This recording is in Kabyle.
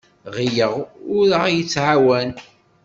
Ɣileɣ ur aɣ-yettɛawan.